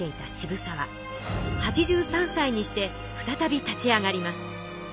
８３さいにして再び立ち上がります。